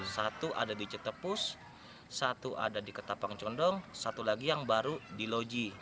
satu ada di cetepus satu ada di ketapang condong satu lagi yang baru di loji